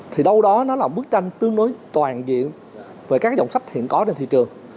thì đâu đó nó là bức tranh tương đối toàn diện về các dòng sách hiện có trên thị trường